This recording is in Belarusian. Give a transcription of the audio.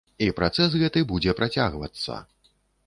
І працэс гэты будзе працягвацца.